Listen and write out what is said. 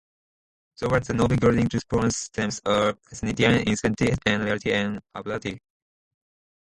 Throughout the novel Golding juxtaposes themes of sanity and insanity, and reality and unreality.